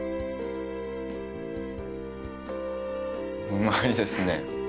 うまいですね。